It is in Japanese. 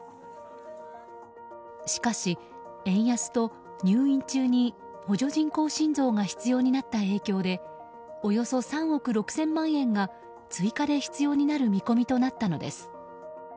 しかし、円安と入院中に補助人工心臓が必要になった影響でおよそ３億６０００万円が追加で必要になる見込みとなったのです。